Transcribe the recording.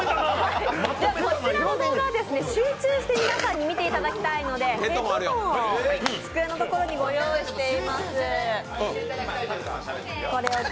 こちらの動画は集中して皆さんに見てもらいたいのでヘッドホンを机のところにご用意しています。